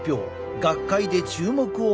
学会で注目を集めた。